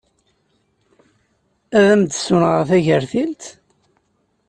Ad am-d-ssunɣeɣ tagertilt?